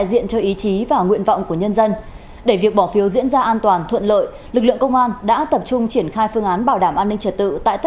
xin chào và hẹn gặp lại